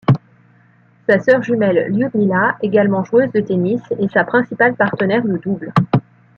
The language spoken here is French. Sa sœur jumelle Lyudmyla, également joueuse de tennis, est sa principale partenaire de double.